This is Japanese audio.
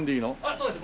そうです。